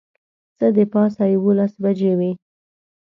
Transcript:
څه د پاسه یوولس بجې وې.